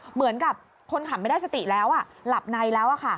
เหมือนกับคนขับไม่ได้สติแล้วหลับในแล้ว